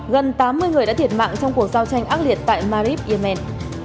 gần tám mươi người đã thiệt mạng trong cuộc giao tranh ác liệt tại marib yemen